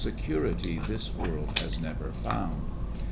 Security this world has never found.